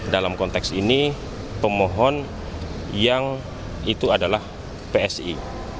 dalam konteks ini pemohon yang itu adalah psi